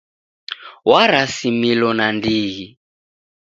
Warasimilo nandighi.